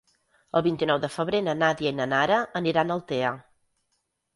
El vint-i-nou de febrer na Nàdia i na Nara aniran a Altea.